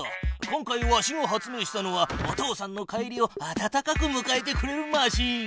今回わしが発明したのはお父さんの帰りを温かくむかえてくれるマシーン。